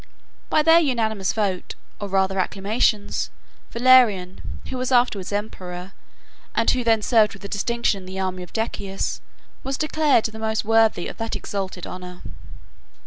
By their unanimous votes, or rather acclamations, Valerian, who was afterwards emperor, and who then served with distinction in the army of Decius, was declared the most worthy of that exalted honor.